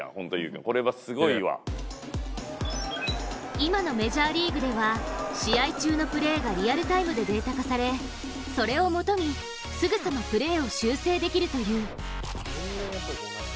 今のメジャーリーグでは試合中のプレーがリアルタイムでデータ化されそれを元に、すぐさまプレーを修正できるという。